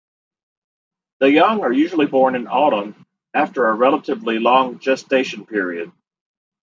The young are usually born in autumn, after a relatively long gestation period.